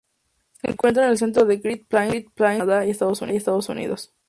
Se encuentra en el centro de Great Plains de Canadá y Estados Unidos.